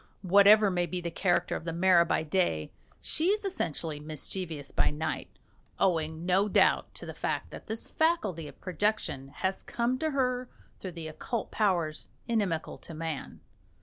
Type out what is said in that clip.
Whatever may be the character of the mara by day, she is essentially mischievous by night owing, no doubt, to the fact that this faculty of projection has come to her through the occult powers inimical to man.